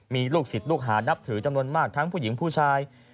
มีลูกศิษย์ลูกหานับถือจำนวนมากทั้งผู้หญิงผู้ชาย